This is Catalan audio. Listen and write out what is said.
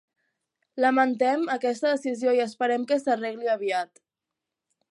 Lamentem aquesta decisió i esperem que s'arregli aviat.